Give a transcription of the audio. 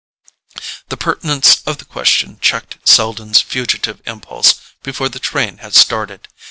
The pertinence of the question checked Selden's fugitive impulse before the train had started.